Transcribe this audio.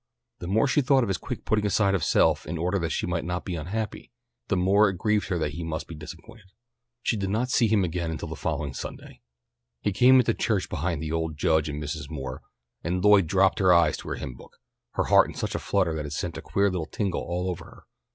The more she thought of his quick putting aside of self in order that she might not be unhappy, the more it grieved her that he must be disappointed. She did not see him again until the following Sunday. He came into church behind the old Judge and Mrs. Moore, and Lloyd dropped her eyes to her hymn book, her heart in such a flutter that it sent a queer little tingle all over her.